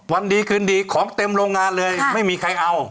วันดีคืนดีของเต็มโรงงานเลยไม่มีใครเอา